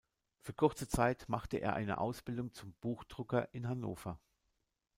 Für kurze Zeit machte er eine Ausbildung zum Buchdrucker in Hannover.